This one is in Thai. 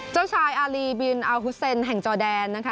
เจ้าชายอารีบินอาฮุเซนแห่งจอแดนนะคะ